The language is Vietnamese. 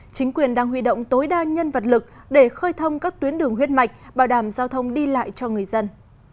chính quyền đang huy động tối đa nhân vật lực để khơi thông các tuyến đường huyết mạch bảo đảm giao thông đi lại cho người dân